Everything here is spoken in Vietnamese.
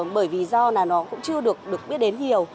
bởi vì do là nó cũng chưa được biết đến nhiều